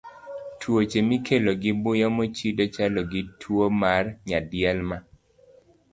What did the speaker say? Tuoche mikelo gi muya mochido chalo gi tuwo mar nyaldiema.